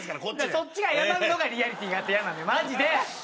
そっちが謝るのがリアリティーがあって嫌なのよマジで。